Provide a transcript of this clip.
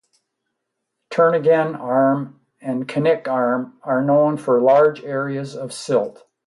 Turnagain Arm and Knik Arm are known for large areas of silt.